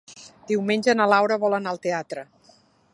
Diumenge na Laura vol anar al teatre.